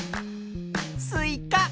スイカ。